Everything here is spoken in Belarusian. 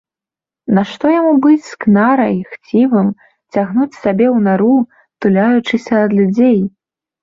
Нашто яму быць скнарай, хцівым, цягнуць сабе у нару, туляючыся ад людзей?